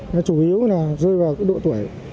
nó chủ yếu là rơi vào độ tuổi